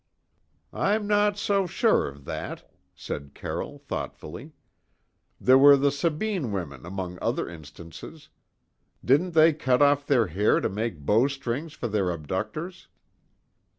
"I'm not so sure of that," said Carroll thoughtfully. "There were the Sabine women among other instances. Didn't they cut off their hair to make bow strings for their abductors?"